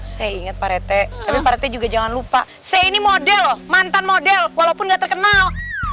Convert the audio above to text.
saya inget parete tapi parete juga jangan lupa saya ini model mantan model walaupun nggak terkenal